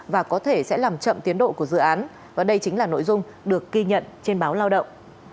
và có thể sẽ làm chậm tiến độ của dự án và đây chính là nội dung được ghi nhận trên báo lao động